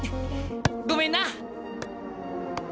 ごめんな！